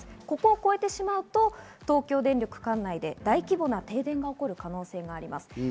ここを超えると東京電力管内で大規模な停電が起こる可能性があります。